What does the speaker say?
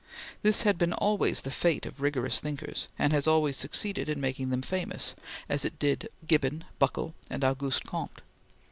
This has been always the fate of rigorous thinkers, and has always succeeded in making them famous, as it did Gibbon, Buckle, and Auguste Comte.